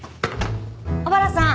小原さん。